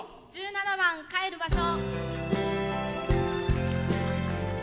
１７番「帰る場所」。